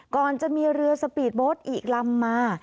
ก่อนจะมีเรือสปีดโบ๊ทอีกลำมา